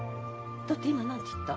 だって今何て言った？